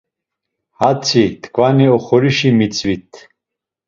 Hatzi, tkvani oxorişi mitzvit.